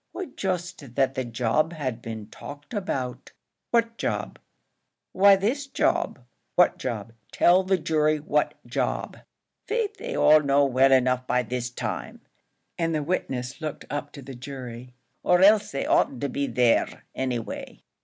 "Why just that the job had been talked about." "What job?" "Why this job." "What job? Tell the jury what job." "Faix, they all know well enough by this time," and the witness looked up to the jury, " or else they oughtn't to be there, any way."